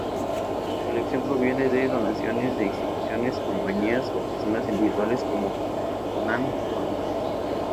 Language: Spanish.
Su colección proviene de donaciones de instituciones, compañías o personas individuales como Hermann Krone.